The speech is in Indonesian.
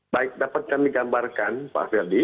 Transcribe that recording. baik dapat kami gambarkan pak ferdi